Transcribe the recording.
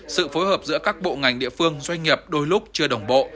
sự phối hợp giữa các bộ ngành địa phương doanh nghiệp đôi lúc chưa đồng bộ